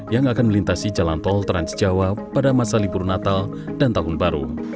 yang akan melintasi jalan tol transjawa pada masa libur natal dan tahun baru